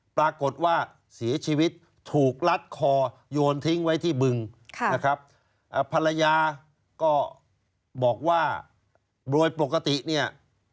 ปรากฏว่าเสียชีวิตถูกลัดคอโยนทิ้งไว้ที่บึงนะครับภรรยาก็บอกว่าโดยปกติเนี่ย